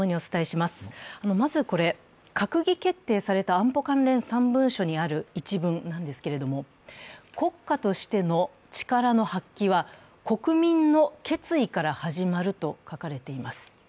まずこれ、閣議決定された安保関連３文書にある一文なんですが「国家としての力の発揮は国民の決意から始まる」と書かれています。